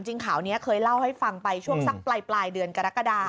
ข่าวนี้เคยเล่าให้ฟังไปช่วงสักปลายเดือนกรกฎา